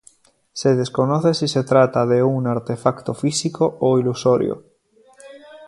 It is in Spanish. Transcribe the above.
Se desconoce si se trata de un artefacto físico o ilusorio.